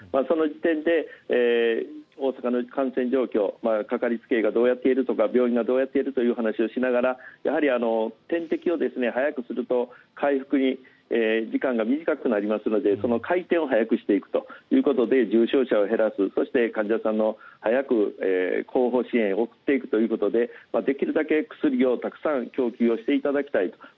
その時点で大阪の感染状況かかりつけ医がどうやっているとか病院がどうやっているという話をしながらやはり点滴を早くすると回復の時間が短くなりますのでその回転を速くしていくということで重症者を減らす患者さんを早く後方支援送っていくということでできるだけ薬をたくさん供給していただきたいと。